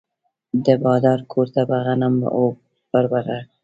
د بادار کور ته به غنم او پروړه وړي.